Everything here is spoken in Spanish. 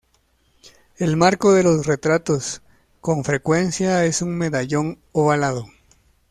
El marco de los retratos, con frecuencia es un medallón ovalado.